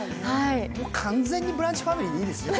完全にブランチファミリーでいいですね。